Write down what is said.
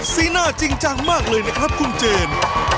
สีหน้าจริงจังมากเลยนะครับคุณเจน